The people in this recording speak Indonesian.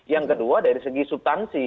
yang kedua dari segi subtansi